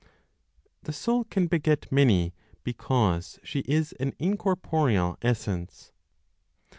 THE SOUL CAN BEGET MANY BECAUSE SHE IS AN INCORPOREAL ESSENCE.